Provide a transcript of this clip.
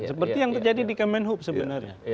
seperti yang terjadi di kemenhub sebenarnya